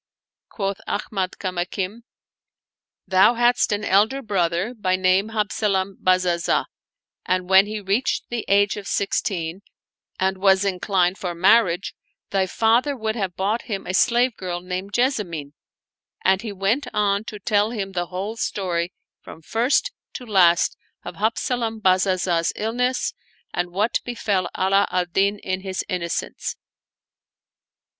" Quoth Ahmad Kamakim, " Thou hadst an elder brother by name Habzalam Bazazah, and when he reached the age of sixteen and was inclined for mar riage, thy father would have bought him a slave girl named Jessamine." And he went on to tell him the whole story from first to last of Habzalam Bazazah's illness and what befell Ala al Din in his innocence.